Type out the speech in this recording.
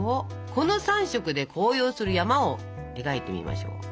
この３色で紅葉する山を描いてみましょう。